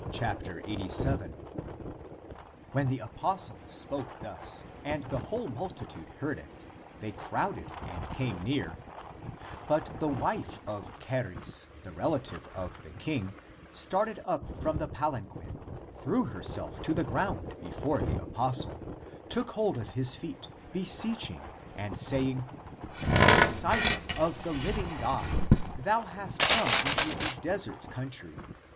When the apostle spoke thus and the whole multitude heard it, they crowded and came near. But the wife of Charis, the relative of the king, started up from the palanquin, threw herself to the oComp. Matt. XXVI, 52, 53; John XVIII, u. 298 THE APOCRYPHAL ACTS ground before the apostle, took hold of his feet, be seeching and saying, " Disciple of the living God, thou hast come into a desert country.